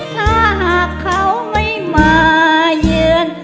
ถ้าหากเขาไม่มาเยือน